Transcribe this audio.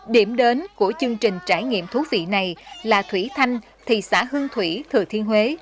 điểm đến của chương trình trải nghiệm thú vị này là thủy thanh thị xã hương thủy thừa thiên huế